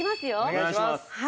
お願いします。